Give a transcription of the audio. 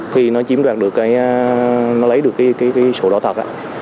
khi nó chiếm đoạt được cái nó lấy được cái sổ đỏ thật